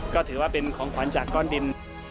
ก็ถือว่าเป็นของขวัญจากก้อนดิน